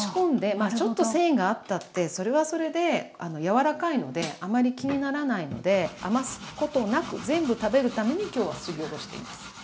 まあちょっと繊維があったってそれはそれで柔らかいのであまり気にならないので余すことなく全部食べるために今日はすりおろしています。